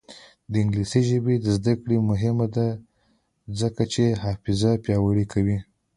د انګلیسي ژبې زده کړه مهمه ده ځکه چې حافظه پیاوړې کوي.